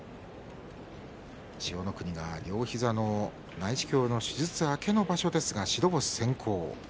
千代の国が両膝の内視鏡の手術明けの場所ですが白星先行。